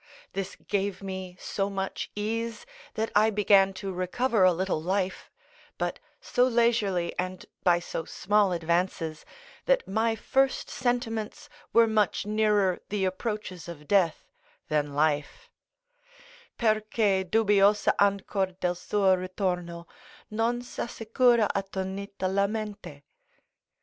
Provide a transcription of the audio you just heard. This gave me so much ease, that I began to recover a little life, but so leisurely and by so small advances, that my first sentiments were much nearer the approaches of death than life: "Perche, dubbiosa ancor del suo ritorno, Non s'assicura attonita la mente."